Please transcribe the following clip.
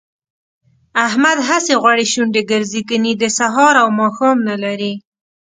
احمد هسې غوړې شونډې ګرځي، ګني د سهار او ماښام نه لري